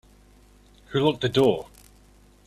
Who locked the door?